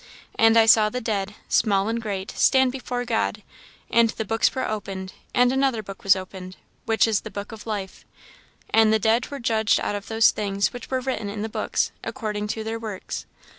"And I saw the dead, small and great, stand before God: and the books were opened; and another book was opened, which is the book of life; and the dead were judged out of those things which were written in the books, according to their works.